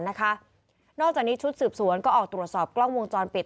นอกจากนี้ชุดสืบสวนก็ออกตรวจสอบกล้องวงจรปิด